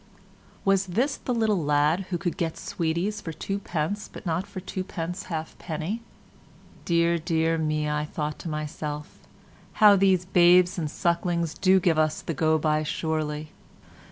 Was this the little lad who could get sweeties for two pence but not for two pence halfpenny? Dear, dear me, I thought to myself, how these babes and sucklings do give us the go by surely.